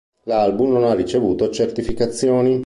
L'album non ha ricevuto certificazioni.